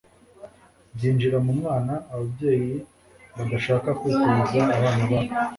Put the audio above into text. byinjire mu mwana Ababyeyi badashaka kwikoza abana babo